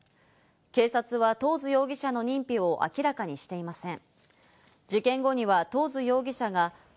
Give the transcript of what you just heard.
警察はトーズ容疑者の認否を明らかにしていません。